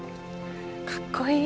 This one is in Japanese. かっこいい。